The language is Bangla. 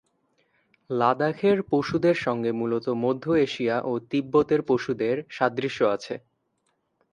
লাদাখের পশুদের সঙ্গে মূলতঃ মধ্য এশিয়া ও তিব্বতের পশুদের সাদৃশ্য আছে।